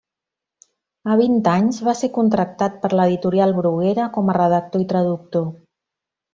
A vint anys va ser contractat per l'editorial Bruguera com a redactor i traductor.